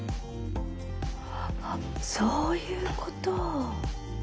あっそういうこと。